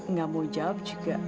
nggak mau jawab juga